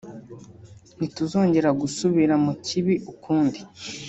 ntituzongera gusubira mu kibi ukundi